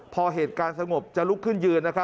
พอเหตุการณ์สงบจะลุกขึ้นยืน